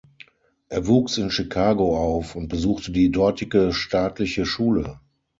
Er wuchs in Chicago auf und besuchte die dortige staatliche Schule.